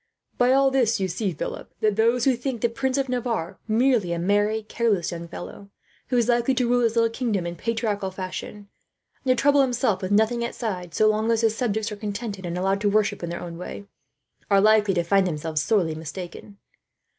"By all this you see, Philip, that those who think the Prince of Navarre merely a merry, careless young fellow, who is likely to rule his little kingdom in patriarchal fashion; and to trouble himself with nothing outside, so long as his subjects are contented and allowed to worship in their own way, are likely to find themselves sorely mistaken.